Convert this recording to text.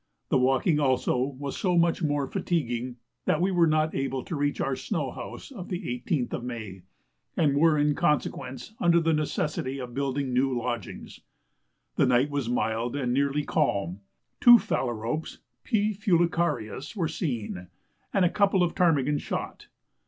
The walking also was so much more fatiguing, that we were not able to reach our snow house of the 18th of May, and were in consequence under the necessity of building new lodgings. The night was mild and nearly calm. Two phalaropes (P. fulicarius) were seen, and a couple of ptarmigan shot.